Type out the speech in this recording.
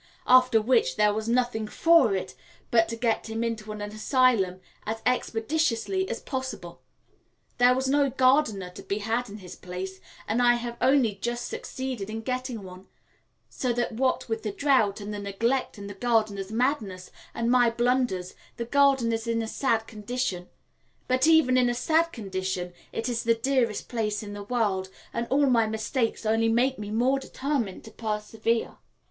After which there was nothing for it but to get him into an asylum as expeditiously as possible. There was no gardener to be had in his place, and I have only just succeeded in getting one; so that what with the drought, and the neglect, and the gardener's madness, and my blunders, the garden is in a sad condition; but even in a sad condition it is the dearest place in the world, and all my mistakes only make me more determined to persevere.